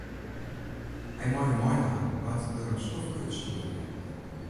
Hy mei wer meidwaan nei't er der in skoftke útstjoerd wie.